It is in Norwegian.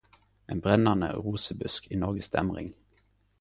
Ein brennande rosebusk i Norges Dæmring